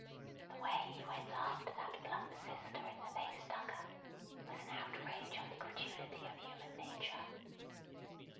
The way he went after that plump sister in the lace tucker, was an outrage on the credulity of human nature.